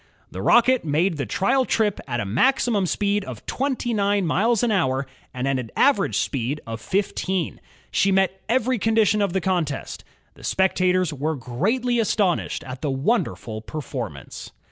The Rocket made the trial trip at a maximum speed of twenty nine miles an hour and at an average speed of fifteen. She met every condition of the contest. The spectators were greatly astonished at the wonderful per formance.